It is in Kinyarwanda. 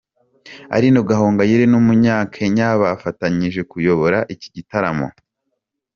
Aline Gahongayire n'umunyakenya bafatanyije kuyobora iki gitaramo.